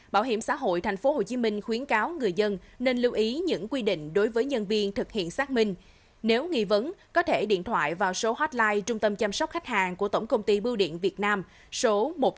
bảo hiểm xã hội tp hcm khuyến cáo người dân nên lưu ý những quy định đối với nhân viên thực hiện xác minh nếu nghi vấn có thể điện thoại vào số hotline trung tâm chăm sóc khách hàng của tổng công ty bưu điện việt nam số một nghìn chín trăm linh năm trăm bốn mươi năm nghìn bốn trăm tám mươi một